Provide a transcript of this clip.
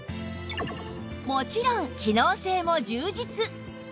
もちろん機能性も充実！